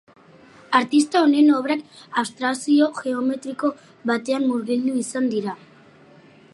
Artista honen obrak abstrakzio-geometriko batean murgildu izan dira.